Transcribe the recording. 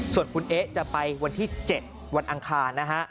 ส่วนคุณเอ๊ะจะไปวันที่๗วันอังคารนะฮะ